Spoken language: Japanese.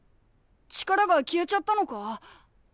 力が消えちゃったのか？